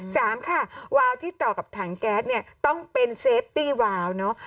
สามค่ะวาวที่ต่อกับถังแก๊สเนี่ยต้องเป็นเซฟตี้ว้าวเนอะ